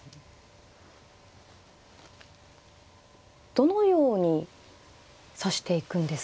どのように指していくんですか？